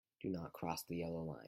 Do not cross the yellow line.